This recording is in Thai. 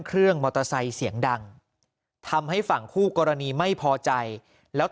เครื่องมอเตอร์ไซค์เสียงดังทำให้ฝั่งคู่กรณีไม่พอใจแล้ว